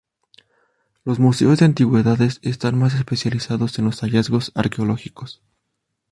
Los museos de antigüedades están más especializados en los hallazgos arqueológicos.